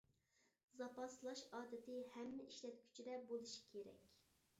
زاپاسلاش ئادىتى ھەممە ئىشلەتكۈچىدە بولۇشى كېرەك.